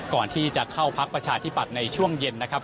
ก่อนที่จะเข้าพักประชาธิปัตย์ในช่วงเย็นนะครับ